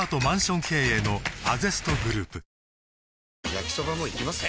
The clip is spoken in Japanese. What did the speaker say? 焼きソバもいきます？